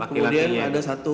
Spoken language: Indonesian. kemudian ada satu